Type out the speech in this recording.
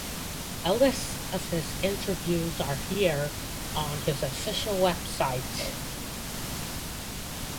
A list of his interviews are here on his official website.